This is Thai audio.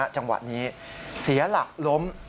จังหวะนี้เสียหลักล้ม